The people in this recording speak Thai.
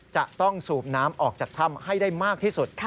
จะต้องสูบน้ำออกจากถ้ำให้ได้มากที่สุด